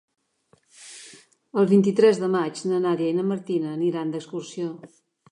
El vint-i-tres de maig na Nàdia i na Martina aniran d'excursió.